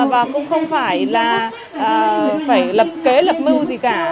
và cũng không phải là phải lập kế lập mưu gì cả